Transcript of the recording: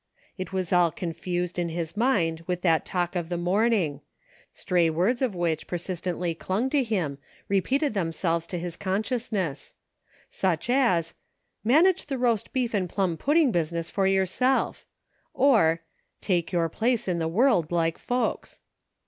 It was all confused in his mind with that talk of the morning ; stray words of which per sistently clung to him, repeated themselves to his UNSEEN CONNECTIONS. 75 consciousnesss ; such as, " Manage the roast beef and plum pudding business for yourself," or, "Take your place in the world like folks."